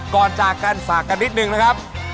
ก่อนจากกันฝากกันนิดนึงนะครับ